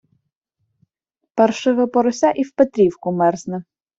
Паршиве порося і в Петрівку мерзне.